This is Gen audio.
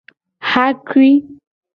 Xakui.